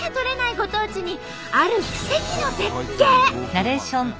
ご当地にある奇跡の絶景！